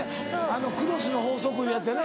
あのクロスの法則いうやつやね。